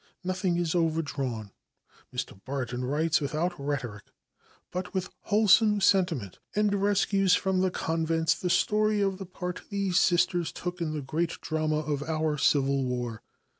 Nothing is overdrawn. Mr. Barton writes without rhetoric, but with wholesome sentiment, and rescues from the convents the story of the part these Sisters took in the great drama of our Civil war.